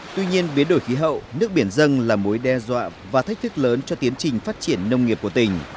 tuy nhiên biến đổi khí hậu nước biển dân là mối đe dọa và thách thức lớn cho tiến trình phát triển nông nghiệp của tỉnh